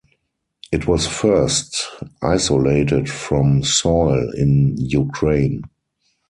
It was first isolated from soil in Ukraine.